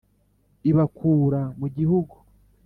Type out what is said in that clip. Ibakura mu gihugu